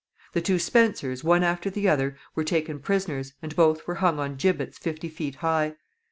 The two Spencers, one after the other, were taken prisoners, and both were hung on gibbets fifty feet high.